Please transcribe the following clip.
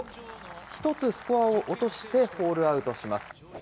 １つスコアを落としてホールアウトします。